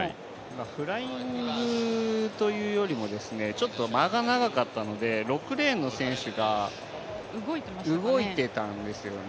フライングというよりもですね、間が長かったので６レーンの選手が動いていたんですよね。